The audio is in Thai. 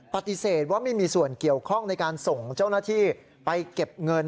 ปฏิเสธว่าไม่มีส่วนเกี่ยวข้องในการส่งเจ้าหน้าที่ไปเก็บเงิน